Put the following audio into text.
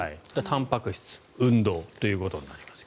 たんぱく質、運動ということになります。